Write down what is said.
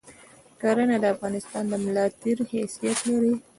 کرهنه د افغانستان د ملاتیر حیثیت لری